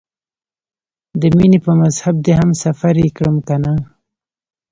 د مینې په مذهب دې هم سفر یې کړم کنه؟